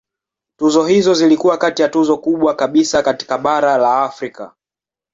Tuzo hizo zilikuwa kati ya tuzo kubwa kabisa katika bara la Afrika.